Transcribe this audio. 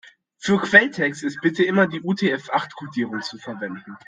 Für Quelltext ist bitte immer die UTF-acht-Kodierung zu verwenden.